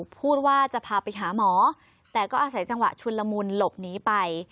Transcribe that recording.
พูดว่าจะพาไปหาหมอแต่ก็อาศัยจังหวะชุนละมุนหลบหนีไป